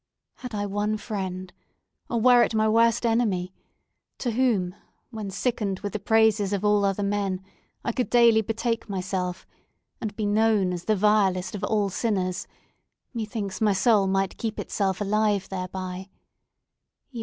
Had I one friend—or were it my worst enemy!—to whom, when sickened with the praises of all other men, I could daily betake myself, and be known as the vilest of all sinners, methinks my soul might keep itself alive thereby.